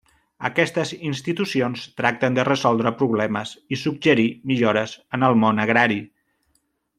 Aquestes institucions tracten de resoldre problemes i suggerir millores en el món agrari.